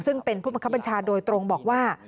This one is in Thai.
ซึ่งเป็นผู้บังคับบัญชาโดยตรงบอกว่า